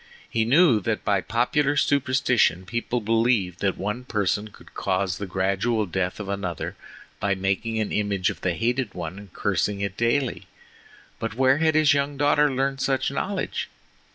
He knew that by popular superstition people believed that one person could cause the gradual death of another by making an image of the hated one and cursing it daily; but where had his young daughter learned such knowledge?